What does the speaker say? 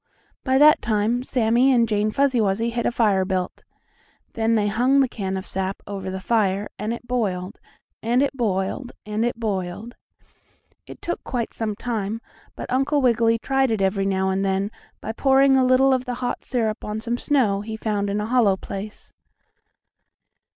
By that time Sammie and Jane Fuzzy Wuzzy had a fire built. Then they hung the can of sap over the fire, and it boiled, and it boiled, and it boiled. It took quite some time, but Uncle Wiggily tried it every now and then by pouring a little of the hot syrup on some snow he found in a hollow place.